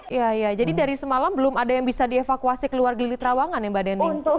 iya iya jadi dari semalam belum ada yang bisa dievakuasi keluar gili trawangan ya mbak deni